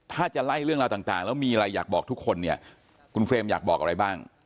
ถ้าจะไล่เรื่องราวต่างแล้วมีอะไรอยากบอกทุกคนเนี่ยคุณเฟรมอยากบอกอะไรบ้าง